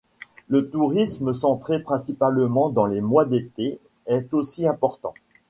Le tourisme centré principalement dans les mois d'été est aussi important.